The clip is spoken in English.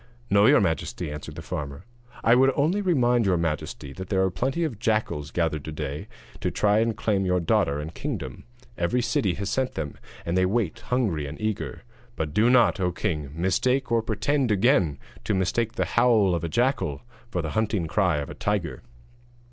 'No, your majesty,' answered the farmer, 'I would only remind your majesty that there are plenty of jackals gathered to day to try and claim your daughter and kingdom: every city has sent them, and they wait hungry and eager; but do not, O king, mistake or pretend again to mistake the howl of a jackal for the hunting cry of a tiger.'